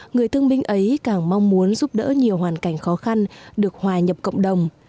người thương minh ấy càng mong muốn giúp đỡ nhiều hoàn cảnh khó khăn được hòa nhập cộng đồng